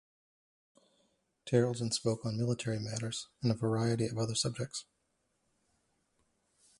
Tarleton spoke on military matters and a variety of other subjects.